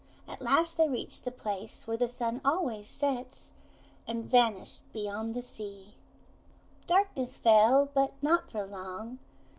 At last they reached the place where the Sun always sets, and vanished beyond the sea. Darkness fell, but not for long.